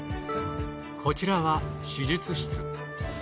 こちらは手術室。